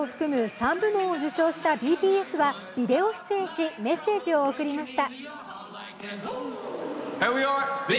３部門を受賞したＢＴＳはビデオ出演し、メッセージを送りました。